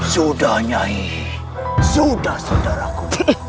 sudah nyai sudah saudaraku